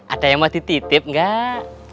ada yang mau dititip enggak